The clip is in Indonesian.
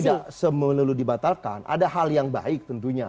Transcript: kalau kami tidak semenuh dibatalkan ada hal yang baik tentunya